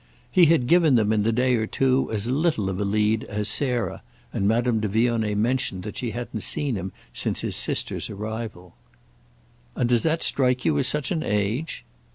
He had given them in the day or two as little of a lead as Sarah, and Madame de Vionnet mentioned that she hadn't seen him since his sister's arrival. "And does that strike you as such an age?"